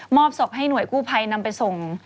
อบศพให้หน่วยกู้ภัยนำไปส่ง